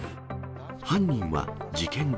犯人は事件後。